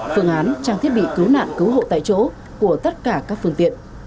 phương án trang thiết bị cứu nạn cứu hộ tại chỗ của tất cả các phương tiện